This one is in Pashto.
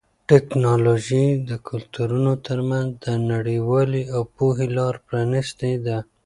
ټیکنالوژي د کلتورونو ترمنځ د نږدېوالي او پوهې لاره پرانیستې ده.